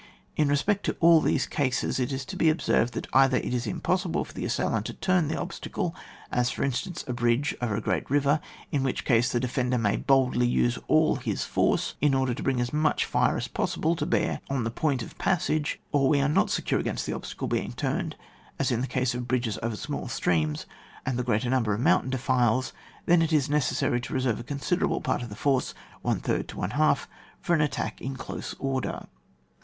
In respect to all these cases, it is to be observed, that either it is impossible for the assailant to turn the obstacle, as, for instance, a bridge over a great river ; in which case then the defender may boldly use aU his force in order to bring as much fire as possible to bear on the point of passage, or we are not secure against the obstacle being turned, as in the case of bridges over small streams, and the greater number of mountain defiles ; then it is necessary to reserve a considerable part of the force (one third to one half) for an attack in dose order.